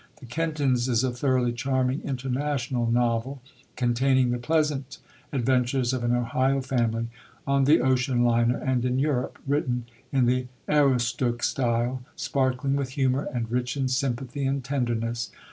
The Kentons is a thoroughly charming international novel, containing the pleasant adventures of an Ohio family on the ocean liner and in Europe, written in the Aroostook style, sparkling with humour, and rich in sympathy and tenderness.